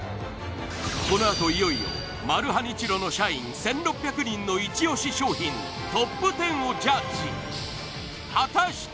このあといよいよマルハニチロの社員１６００人のイチオシ商品ＴＯＰ１０をジャッジ果たして